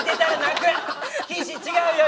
岸違うよ